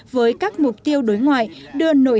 với các mục tiêu đối ngoại